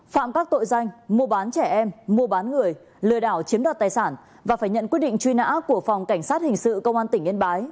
phạm các tội danh mua bán trẻ em mua bán người lừa đảo chiếm đoạt tài sản và phải nhận quyết định truy nã của phòng cảnh sát hình sự công an tỉnh yên bái